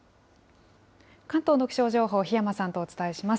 関東の気象情報、檜山さんとお伝えします。